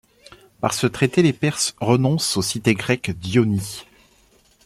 Par ce traité les Perses renoncent aux cités grecques d'Ionie.